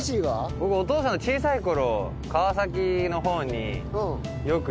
僕お父さんと小さい頃川崎の方によく行ってました。